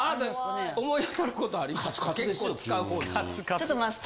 思い当たる事ありますか？